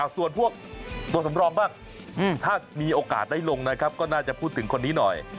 ส่วนพวกตัวสำรองบ้างถ้ามีโอกาสได้ลงนะครับก็น่าจะพูดถึงคนนี้หน่อย